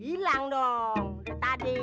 hilang dong udah tadi